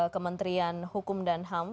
kementerian hukum dan halaman